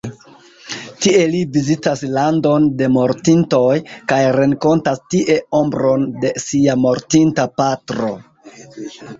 Tie li vizitas Landon de Mortintoj kaj renkontas tie ombron de sia mortinta patro.